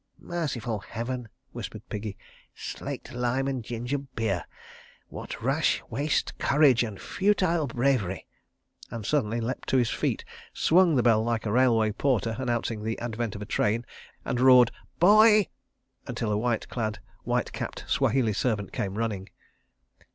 ..." "Merciful Heaven," whispered Piggy, "slaked lime and ginger beer! .. What rash, waste courage and futile bravery. ..." And suddenly leapt to his feet, swung the bell like a railway porter announcing the advent of a train, and roared "Boy!" until a white clad, white capped Swahili servant came running.